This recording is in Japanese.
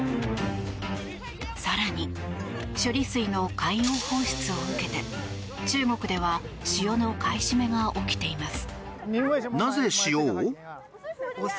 更に、処理水の海洋放出を受けて中国では塩の買い占めが起きています。